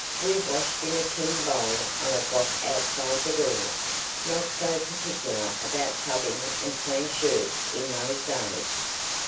We washed in a tin bowl on a block outside the door. Not so particular about tubbing and clean shirts in those days.